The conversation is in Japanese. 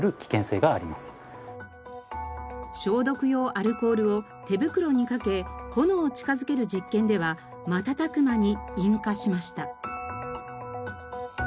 消毒用アルコールを手袋にかけ炎を近づける実験では瞬く間に引火しました。